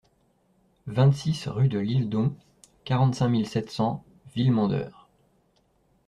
vingt-six rue de Lisledon, quarante-cinq mille sept cents Villemandeur